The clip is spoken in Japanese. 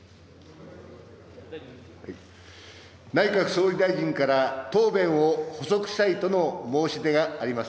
内閣総理大臣から答弁を補足したいとの申し出があります。